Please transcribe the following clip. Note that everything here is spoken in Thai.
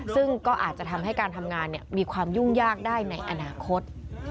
ซึ่งก็อาจจะทำให้การทำงานมีความยุ่งยากได้ในอนาคต